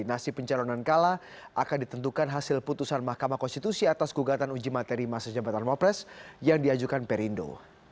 nasib pencalonan kala akan ditentukan hasil putusan mahkamah konstitusi atas gugatan uji materi masa jabatan wapres yang diajukan perindo